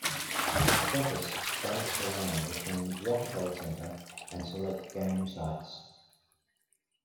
Bettis bounced around between Rockefeller Center and select game sites.